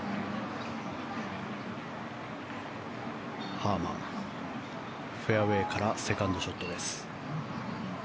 ハーマン、フェアウェーからセカンドショットです。